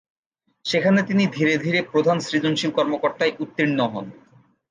সেখানে তিনি ধীরে ধীরে প্রধান সৃজনশীল কর্মকর্তায় উত্তীর্ণ হন।